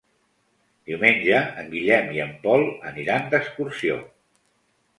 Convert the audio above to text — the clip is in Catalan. Diumenge en Guillem i en Pol aniran d'excursió.